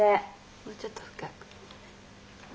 もうちょっと深く。